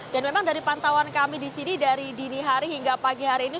dan memang dari pantauan kami di sini dari dini hari hingga pagi hari ini